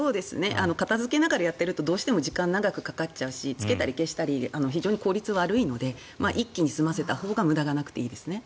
片付けながらやっているとどうしても時間が長くかかるしつけたり消したり非常に効率が悪いので一気に済ませたほうが無駄がなくていいですね。